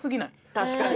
確かに。